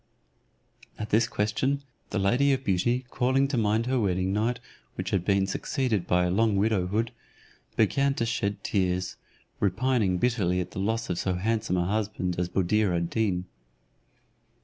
At this question, the lady of beauty calling to mind her wedding night, which had been succeeded by a long widowhood, began to shed tears, repining bitterly at the loss of so handsome a husband as Buddir ad Deen.